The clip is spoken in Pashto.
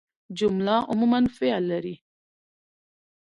جمله عموماً فعل لري.